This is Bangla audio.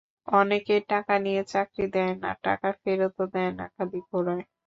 অনেকে টাকা নিয়ে চাকরি দেয় না, টাকা ফেরতও দেয় না, খালি ঘোরায়।